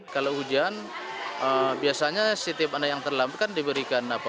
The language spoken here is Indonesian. kalau hujan biasanya setiap ada yang terlambat kan diberikan